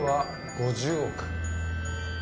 ５０億！？